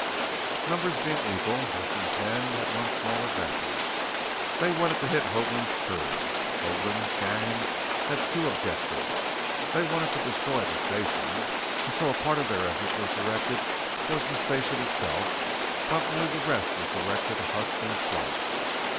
Numbers being equal, Huston's men had one small advantage. They wanted to hit Hoagland's crew. Hoagland's gang had two objectives. They wanted to destroy the station, and so part of their efforts was directed towards the station itself while only the rest was directed at Huston's flight.